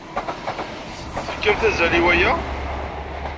Tefkamt azal i waya.